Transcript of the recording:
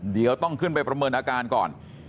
เดี๋ยวต้องขึ้นไปประเมินอาการก่อน